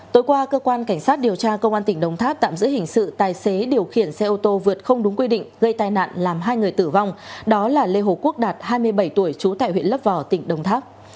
tối qua cơ quan cảnh sát điều tra công an tỉnh đồng tháp tạm giữ hình sự tài xế điều khiển xe ô tô vượt không đúng quy định gây tai nạn làm hai người tử vong đó là lê hồ quốc đạt hai mươi bảy tuổi trú tại huyện lấp vò tỉnh đồng tháp